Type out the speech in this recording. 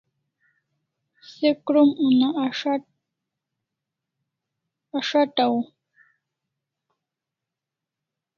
Se krom una as'atau